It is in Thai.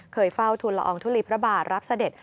เฝ้าทุนละอองทุลีพระบาทรับเสด็จ